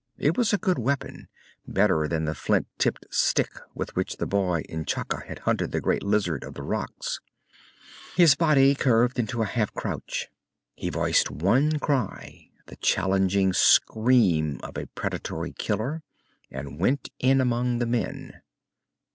It was a good weapon, better than the flint tipped stick with which the boy N'Chaka had hunted the giant lizard of the rocks. His body curved into a half crouch. He voiced one cry, the challenging scream of a predatory killer, and went in among the men.